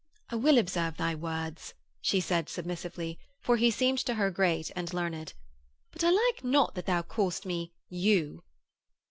'I will observe thy words,' she said submissively, for he seemed to her great and learned; 'but I like not that thou call'st me "you."'